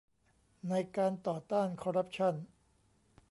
ในการต่อต้านคอร์รัปชั่น